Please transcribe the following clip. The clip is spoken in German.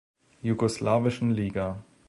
Jugoslawischen Liga.